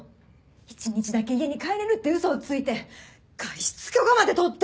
一日だけ家に帰れるって嘘をついて外出許可まで取って！